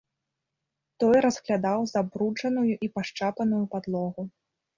Той разглядаў забруджаную і пашчапаную падлогу.